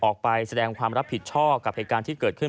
ออกไปแสดงความรับผิดชอบกับเหตุการณ์ที่เกิดขึ้น